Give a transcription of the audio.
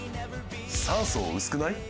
酸素薄くない？